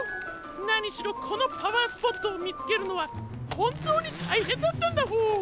なにしろこのパワースポットをみつけるのはほんとうにたいへんだったんだホォー。